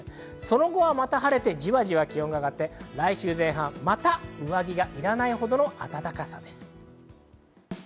その後はまた晴れて、じわじわ気温が上がって、来週前半はまた上着がいらないほどの暖かさです。